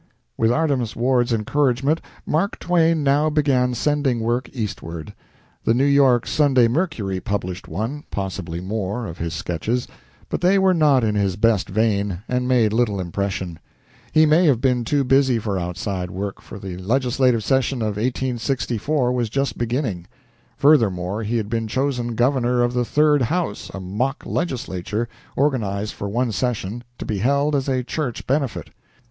With Artemus Ward's encouragement, Mark Twain now began sending work eastward. The "New York Sunday Mercury" published one, possibly more, of his sketches, but they were not in his best vein, and made little impression. He may have been too busy for outside work, for the legislative session of 1864 was just beginning. Furthermore, he had been chosen governor of the "Third House," a mock legislature, organized for one session, to be held as a church benefit.